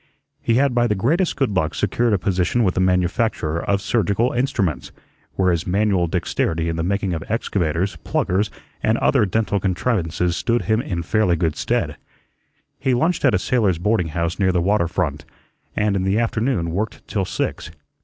He had by the greatest good luck secured a position with a manufacturer of surgical instruments, where his manual dexterity in the making of excavators, pluggers, and other dental contrivances stood him in fairly good stead. He lunched at a sailor's boarding house near the water front, and in the afternoon worked till six.